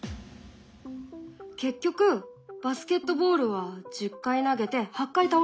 結局バスケットボールは１０回投げて８回倒れた。